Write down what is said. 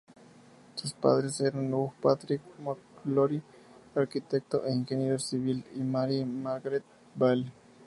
Sus padres eran Hugh Patrick McClory, arquitecto e ingeniero civil, y Mary Margaret Ball.